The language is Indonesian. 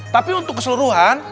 tapi untuk keseluruhan